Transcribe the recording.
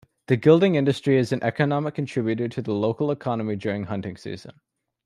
The guiding industry is an economic contributor to the local economy during hunting season.